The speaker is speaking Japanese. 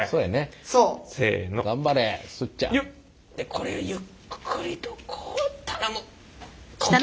これゆっくりとこう頼む！